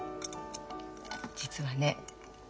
実はね